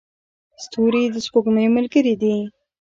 ستوري د سپوږمۍ ملګري دي.